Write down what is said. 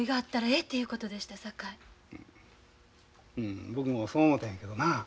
うん僕もそう思うたんやけどな